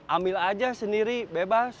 ambil aja sendiri bebas